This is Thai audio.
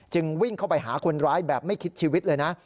วิ่งเข้าไปหาคนร้ายแบบไม่คิดชีวิตเลยนะ